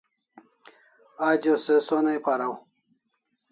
Ajo se sonai paraw